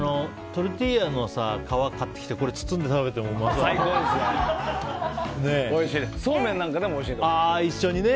トルティーヤの皮買ってきてこれを包んで食べてもおいしそうだよね。